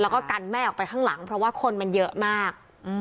แล้วก็กันแม่ออกไปข้างหลังเพราะว่าคนมันเยอะมาก